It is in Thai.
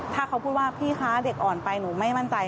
ถ้าเขาพูดว่าพี่คะเด็กอ่อนไปหนูไม่มั่นใจ